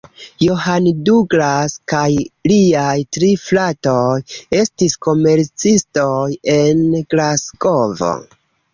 John Douglas kaj liaj tri fratoj estis komercistoj en Glasgovo.